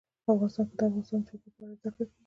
افغانستان کې د د افغانستان جلکو په اړه زده کړه کېږي.